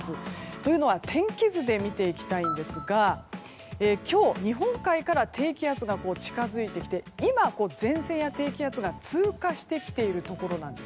というのは天気図で見ていきたいんですが今日、日本海から低気圧が近づいてきて今、前線や低気圧が通過してきているところです。